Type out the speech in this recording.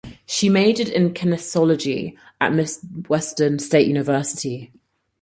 She majored in kinesiology at Midwestern State University.